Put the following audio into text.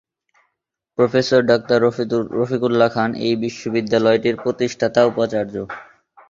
Professor doctor Rafiq Ullah Khan এই বিশ্ববিদ্যালয়টির প্রতিষ্ঠাতা উপাচার্য।